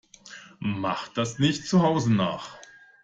Macht das nicht zu Hause nach!